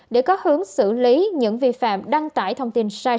để có hướng xử lý những vi phạm đăng tải thông tin sai